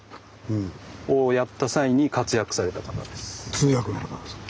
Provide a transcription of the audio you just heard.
通訳の方ですか。